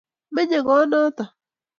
Menye kot notok